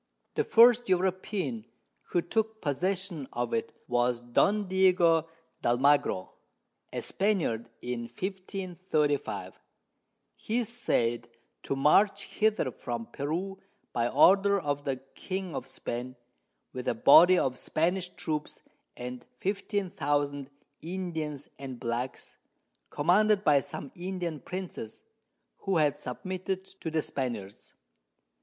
The first European who took possession of it was Don Diego d'Almagro, a Spaniard, in 1535. He is said to march hither from Peru by Order of the King of Spain, with a Body of Spanish Troops and 15000 Indians and Blacks commanded by some Indian Princes, who had submitted to the Spaniards.